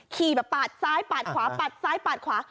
ขี่แบบปาดซ้ายปาดขวาปาดซ้ายปาดขวา